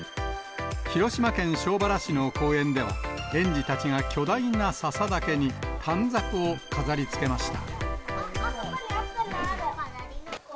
広島県庄原市の公園では、園児たちが巨大な笹竹に短冊を飾りつけました。